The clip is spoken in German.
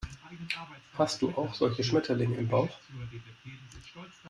Hast du auch solche Schmetterlinge im Bauch?